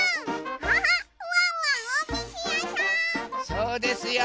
そうですよ。